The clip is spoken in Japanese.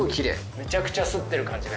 めちゃくちゃ擦ってる感じが。